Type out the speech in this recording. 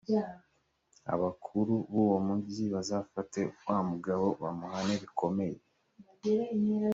abakuru b’uwo mugi bazafate wa mugabo, bamuhane bikomeye.